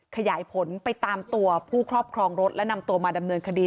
ขยายผลไปตามตัวผู้ครอบครองรถและนำตัวมาดำเนินคดี